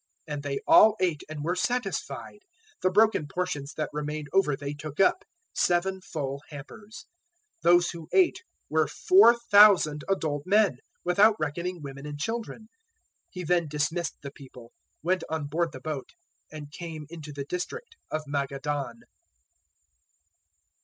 015:037 And they all ate and were satisfied. The broken portions that remained over they took up seven full hampers. 015:038 Those who ate were 4,000 adult men, without reckoning women and children. 015:039 He then dismissed the people, went on board the boat, and came into the district of Magadan.